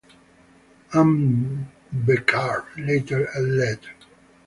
Ambedkar later led.